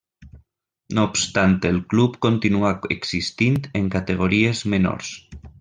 No obstant el club continuà existint en categories menors.